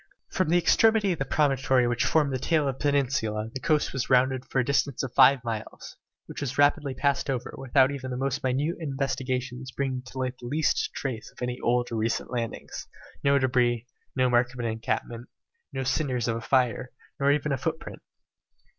From the extremity of the promontory which formed the tail of the peninsula the coast was rounded for a distance of five miles, which was rapidly passed over, without even the most minute investigations bringing to light the least trace of any old or recent landings; no debris, no mark of an encampment, no cinders of a fire, nor even a footprint!